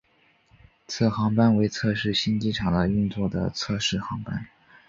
此航班为测试新机场的运作的测试航班。